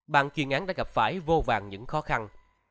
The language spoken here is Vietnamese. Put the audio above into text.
bạn chuyên án đã gặp phải vô vàng những khó khăn